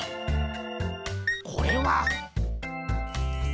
これはっ！